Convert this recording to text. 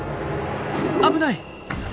危ない！